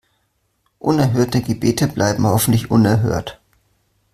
Unerhörte Gebete bleiben hoffentlich unerhört.